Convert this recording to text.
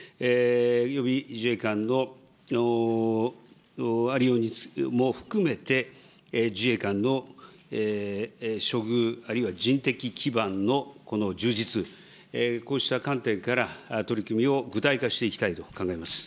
予備自衛官のありようも含めて、自衛官の処遇、あるいは人的基盤の充実、こうした観点から取り組みを具体化していきたいと考えます。